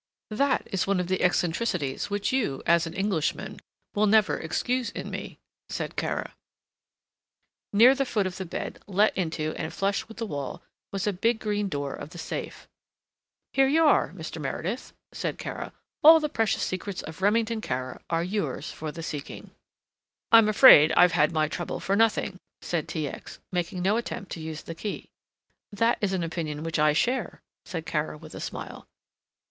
"That is one of the eccentricities which you, as an Englishman, will never excuse in me," said Kara. Near the foot of the bed, let into, and flush with, the wall, was a big green door of the safe. "Here you are, Mr. Meredith," said Kara. "All the precious secrets of Remington Kara are yours for the seeking." "I am afraid I've had my trouble for nothing," said T. X., making no attempt to use the key. "That is an opinion which I share," said Kara, with a smile.